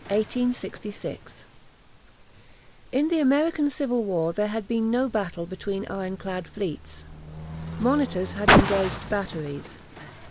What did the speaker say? CHAPTER XI LISSA 1866 In the American Civil War there had been no battle between ironclad fleets. "Monitors" had engaged batteries.